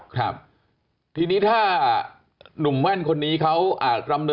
ครับทีนี้ถ้านุ่มแว่นคนนี้เขาอ่า